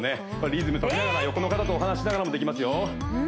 リズム取りながら横の方とお話ししながらもできますよ